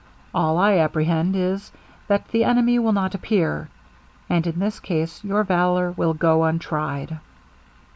All I apprehend is, that the enemy will not appear, and in this case your valour will go untried.'